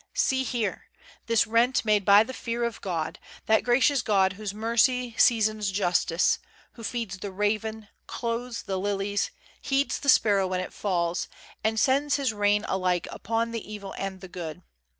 See here! This rent made by the fear of God, That gracious God, whose "mercy seasons justice," Who feeds the raven, clothes the lilies, heeds The sparrow when it falls, and sends his rain Alike upon the evil and the good.